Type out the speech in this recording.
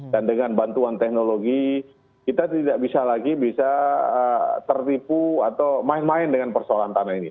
dan dengan bantuan teknologi kita tidak bisa lagi bisa tertipu atau main main dengan persoalan tanah ini